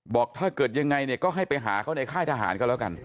บอกถ้าเกิดยังไงเนี่ยก็ให้ไปหาเขาในค่ายทหารก็แล้วกัน